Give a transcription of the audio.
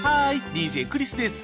ＤＪクリスです。